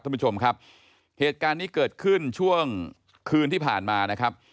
ท่านผู้ชมครับเหตุการณ์นี้เกิดขึ้นช่วงคืนที่ผ่านมานะครับ